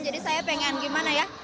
jadi saya pengen gimana ya